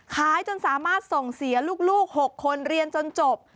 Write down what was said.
จนสามารถส่งเสียลูก๖คนเรียนจนจบ